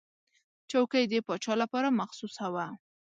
چوکۍ د پاچا لپاره مخصوصه وه.